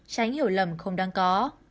tránh hiểu lầm không đáng có